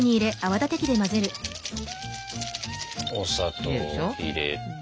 お砂糖を入れて。